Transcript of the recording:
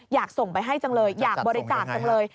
อยากส่งไปให้จังเลยอยากบริจาคจังเลย